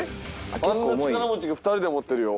あんな力持ちが２人で持ってるよ。